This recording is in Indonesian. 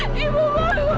ibu ibu bangun ibu